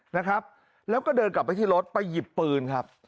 นะครับแล้วก็เดินกลับไปที่รถไปหยิบปืนครับ